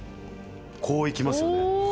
こういきますよね。